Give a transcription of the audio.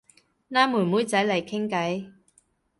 拉妹妹仔嚟傾偈